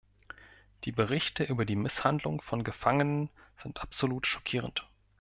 Die Berichte über die Misshandlung von Gefangenen sind absolut schockierend.